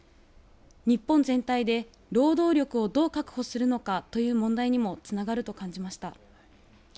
日本全体で、労働力をどう確保するのかという問題にもつながると感じました。